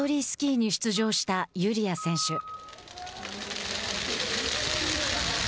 スキーに出場したユリア選手。